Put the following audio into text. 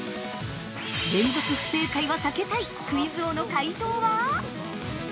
◆連続不正解は避けたいクイズ王の解答は？